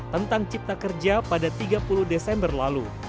tentang cipta kerja pada tiga puluh desember lalu